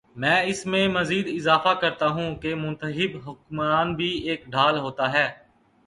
میں اس میں مزید اضافہ کرتا ہوں کہ منتخب حکمران بھی ایک ڈھال ہوتا ہے۔